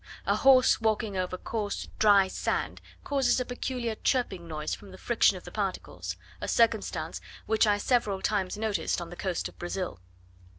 A horse walking over dry coarse sand, causes a peculiar chirping noise from the friction of the particles; a circumstance which I several times noticed on the coast of Brazil.